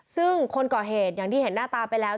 ซึ่งคนก่อเหตุอย่างที่เห็นหน้าตาไปแล้ว